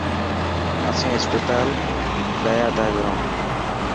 اسين هسپتال هيا تا جوڻ.